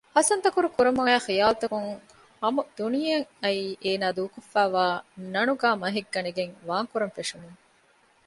ހަސަންތަކުރު ކުރަމުންއައި ޚިޔާލުތަކުން ހަމަދުނިޔެއަށް އައީ އޭނާ ދޫކޮށްފައިވާ ނަނުގައި މަހެއްގަނެގެން ވާންކުރަންފެށުމުން